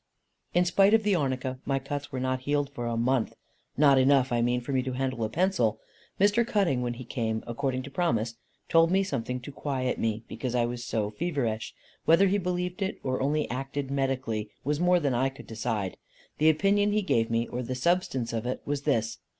In spite of the arnica, my cuts were not healed for a month; not enough, I mean, for me to handle a pencil. Mr. Cutting, when he came, according to promise, told me something to quiet me, because I was so feverish. Whether he believed it, or only acted medically, was more than I could decide. The opinion he gave me, or the substance of it, was this.